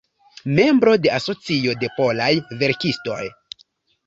Membro de Asocio de Polaj Verkistoj.